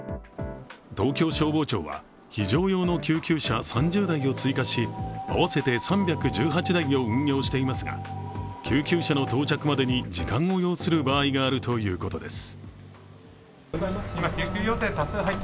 東京消防庁は非常用の救急車３０台を追加し、合わせて３１８台を運用していますが救急車の到着までに時間を要する場合があるということです。